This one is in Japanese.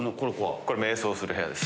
これ瞑想する部屋です。